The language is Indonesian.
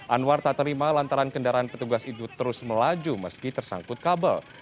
anwar tak terima lantaran kendaraan petugas itu terus melaju meski tersangkut kabel